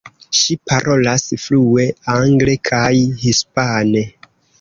Ŝi parolas flue angle kaj hispane.